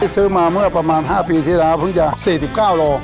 ซื้อมาเมื่อประมาณ๕ปีที่แล้วเพิ่งจะ๔๙โล